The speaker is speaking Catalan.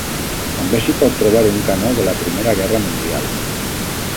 També s'hi pot trobar un canó de la primera Guerra Mundial.